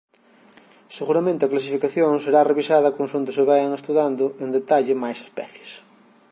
Seguramente a clasificación será revisada consonte se vaian estudando en detalle máis especies.